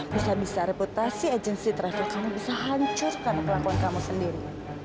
bisa bisa reputasi agensi travel kamu bisa hancur karena kelakuan kamu sendiri